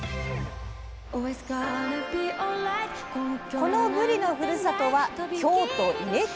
このぶりのふるさとは京都伊根町。